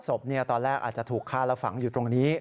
ศพตอนแรกอาจจะถูกฆ่าและฝังอยู่ตรงนี้